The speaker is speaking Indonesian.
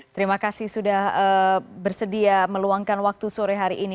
terima kasih sudah bersedia meluangkan waktu sore hari ini